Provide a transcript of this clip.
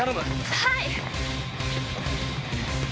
はい。